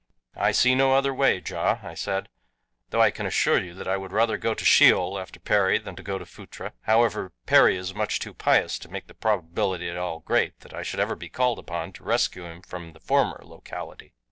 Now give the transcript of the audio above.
"I see no other way, Ja," I said, "though I can assure you that I would rather go to Sheol after Perry than to Phutra. However, Perry is much too pious to make the probability at all great that I should ever be called upon to rescue him from the former locality."